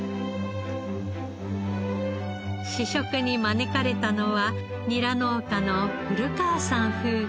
試食に招かれたのはニラ農家の古川さん夫婦。